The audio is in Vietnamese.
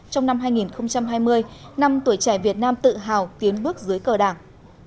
trong năm hai nghìn hai mươi năm tuổi trẻ việt nam tự hào tiến bước dưới cờ đảng